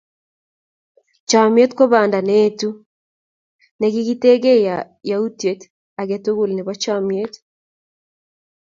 Chomnyet ko banda neetu, nekitekee yautiet age tugul nebo chomnyet.